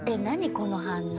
この反応。